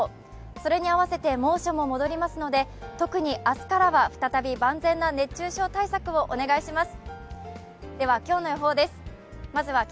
それに合わせて猛暑も戻りますので特に明日からは再び万全な熱中症対策をお願いします。